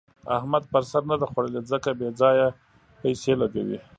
احمد پر سر نه ده خوړلې؛ ځکه بې ځايه پيسې لګوي.